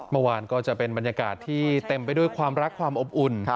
เมื่อวานก็จะเป็นบรรยากาศที่เต็มไปด้วยความรักความอบอุ่น